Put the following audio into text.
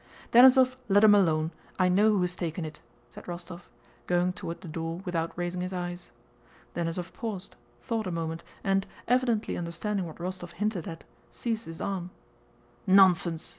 "Denísov, let him alone, I know who has taken it," said Rostóv, going toward the door without raising his eyes. Denísov paused, thought a moment, and, evidently understanding what Rostóv hinted at, seized his arm. "Nonsense!"